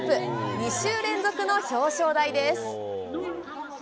２週連続の表彰台です。